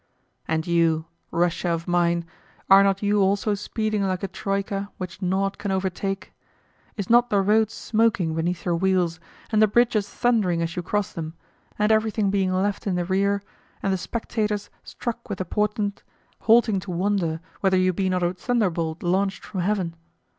And you, Russia of mine are not you also speeding like a troika which nought can overtake? Is not the road smoking beneath your wheels, and the bridges thundering as you cross them, and everything being left in the rear, and the spectators, struck with the portent, halting to wonder whether you be not a thunderbolt launched from heaven?